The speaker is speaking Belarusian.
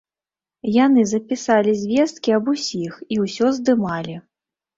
Яны запісалі звесткі аб усіх і ўсё здымалі.